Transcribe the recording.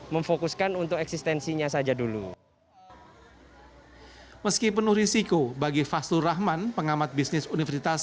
memfokuskan untuk eksistensinya saja dulu hai meski penuh risiko bagi faslur rahman pengamat bisnis